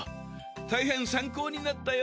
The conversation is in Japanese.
大変参考になったよ